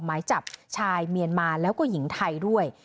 หมายจับชายเมียนมาแล้วก็หญิงไทยด้วย